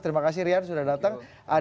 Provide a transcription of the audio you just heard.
terima kasih rian sudah datang